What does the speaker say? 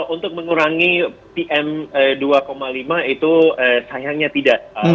untuk mengurangi pm dua lima itu sayangnya tidak